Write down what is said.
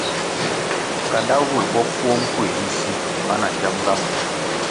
Kandá vul bopfuo nkuéh ri si mana ngiamga ma.